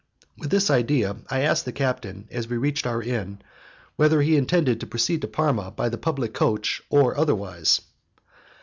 With this idea I asked the captain, as we reached our inn, whether he intended to proceed to Parma by the public coach or otherwise.